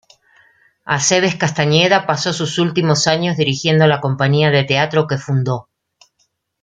Aceves Castañeda pasó sus últimos años dirigiendo la compañía de teatro que fundó.